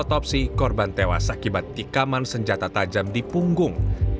otopsi korban tewas akibat tikaman senjata tajam di punggung